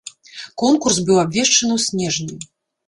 Конкурс быў абвешчаны ў снежні.